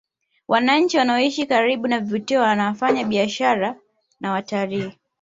Wananchi wanaoishi karibu na vivutio waanafanya biashara na watalii